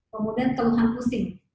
kemudian teluhan pusing